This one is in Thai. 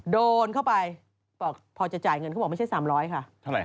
โดนเข้าไปบอกพอจะจ่ายเงินเขาบอกไม่ใช่๓๐๐ค่ะ